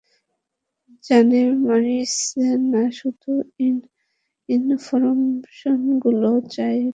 জানে মারিস না শুধু ইনফরমেশনগুলো চাই পেয়ে যাবেন।